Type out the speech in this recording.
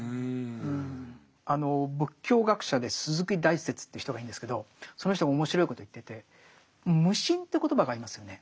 仏教学者で鈴木大拙という人がいるんですけどその人が面白いことを言ってて無心という言葉がありますよね。